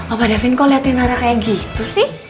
opa davin kok liatin anaknya kayak gitu